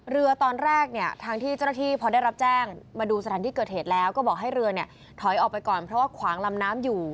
เรือตอนแรกเนี่ยทางที่เจ้าหน้าที่พอได้รับแจ้งมาดูสถานที่เกิดเหตุแล้วก็บอกให้เรือเนี่ยถอยออกไปก่อนเพราะว่าขวางลำน้ำอยู่